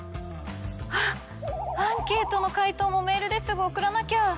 あっアンケートの回答もメールですぐ送らなきゃ！